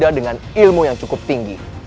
dengan ilmu yang cukup tinggi